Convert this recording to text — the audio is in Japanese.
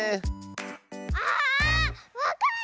ああっわかった！